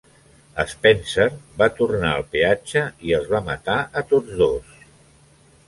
Spencer va tornar al peatge i els va matar a tots dos.